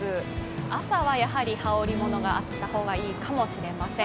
朝はやはり羽織り物があった方がいいかもしれません。